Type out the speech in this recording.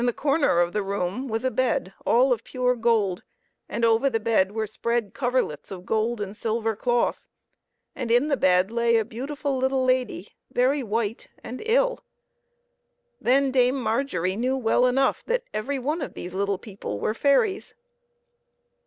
35 corner of the room was a bed all of pure gold, and over the bed were spread coverlets of gold and silver cloth, and in the bed lay a beautiful little lady, very white and ill. Then Dame Margery knew well enough that every one of these little people were fairies.